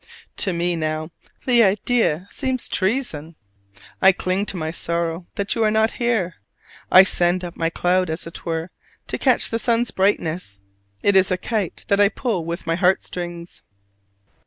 To me, now, the idea seems treason! I cling to my sorrow that you are not here: I send up my cloud, as it were, to catch the sun's brightness: it is a kite that I pull with my heart strings.